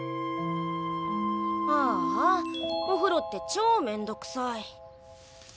ああおふろってちょうめんどくさい。